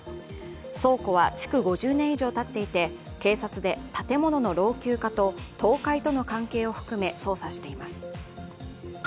倉庫は築５０年以上たっていて警察で建物の老朽化と倒壊との関係を含め、捜査しています。